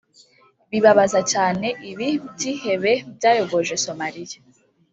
bibabaza cyane ibi byihebe byayogoje Somalia